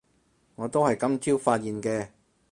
我都係今朝發現嘅